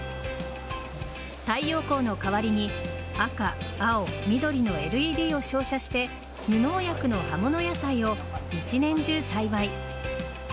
太陽光の代わりに赤、青、緑のＬＥＤを照射して無農薬の葉物野菜を一年中栽培。